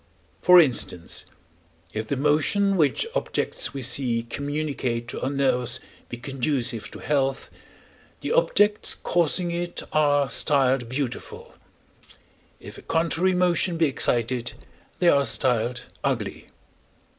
For instance, if the motion which objects we see communicate to our nerves be conducive to health, the objects causing it are styled beautiful; if a contrary motion be excited, they are styled ugly.